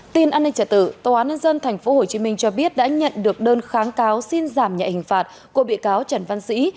tin an ninh trả tử tòa án nhân dân tp hcm cho biết đã nhận được đơn kháng cáo xin giảm nhạy hình phạt của bị cáo trần văn sĩ